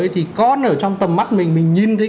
thì con ở trong tầm mắt mình mình nhìn thấy